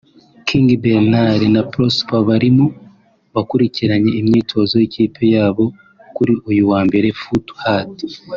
King Bernard na Prosper bari mu bakurikiranye imyitozo y’ikipe yabo kuri uyu wa mbere/Foto Hardy